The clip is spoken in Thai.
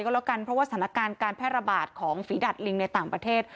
ก็แล้วกันเพราะว่าสถานการณ์การแพร่ระบาดของฝีดัดลิงในต่างประเทศ